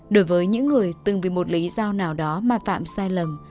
đối với những người từng vì một lý do nào đó mà phạm sai lầm